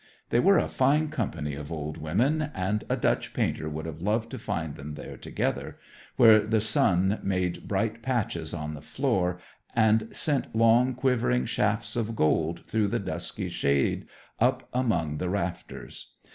They were a fine company of old women, and a Dutch painter would have loved to find them there together, where the sun made bright patches on the floor and sent long, quivering shafts of gold through the dusky shade up among the rafters.